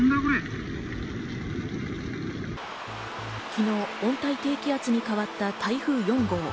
昨日、温帯低気圧に変わった台風４号。